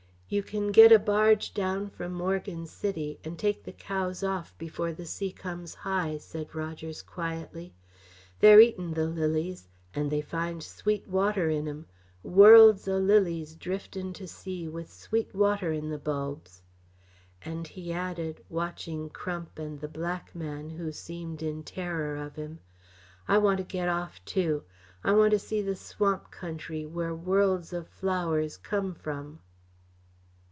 "You can get a barge down from Morgan City and take the cows off before the sea comes high," said Rogers quietly. "They're eating the lilies and they find sweet water in 'em. Worlds o' lilies driftin' to sea with sweet water in the bulbs!" And he added, watching Crump and the black man who seemed in terror of him: "I want to get off, too. I want to see the swamp country where worlds o' flowers come from!"